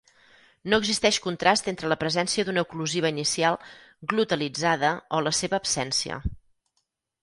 No existeix contrast entre la presència d'una oclusiva inicial glotalitzada o la seva absència.